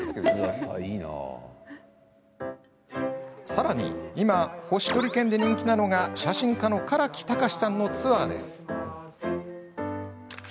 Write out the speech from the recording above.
さらに今、星取県で人気なのが写真家の柄木孝志さんのツアーです。